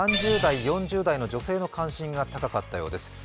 ３０代４０代の女性の関心が高かったようです。